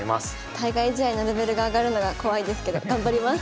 対外試合のレベルが上がるのが怖いですけど頑張ります。